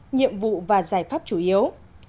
ba nhiệm vụ và giải pháp chủ yếu